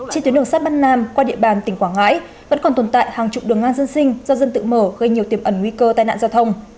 trên tuyến đường sát bắc nam qua địa bàn tỉnh quảng ngãi vẫn còn tồn tại hàng chục đường ngang dân sinh do dân tự mở gây nhiều tiềm ẩn nguy cơ tai nạn giao thông